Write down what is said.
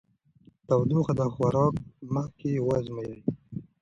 تودوخه د خوراک مخکې وازمویئ.